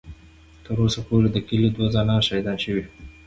ـ تر اوسه پورې د کلي دوه ځوانان شهیدان شوي دي.